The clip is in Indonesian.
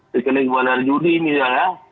rekening kembali dari judi misalnya